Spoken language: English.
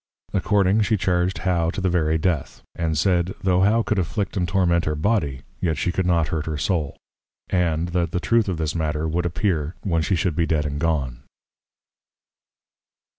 Accordingly she charged How to the very Death; and said, Tho' How could afflict and torment her Body, yet she could not hurt her Soul: And, _That the Truth of this matter would appear, when she should be dead and gone.